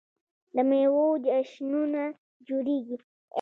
د میوو جشنونه جوړیږي.